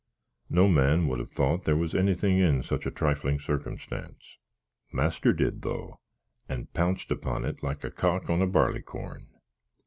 No man would have thought there was anythink in such a trifling circkumstance; master did, though, and pounced upon it like a cock on a barlycorn.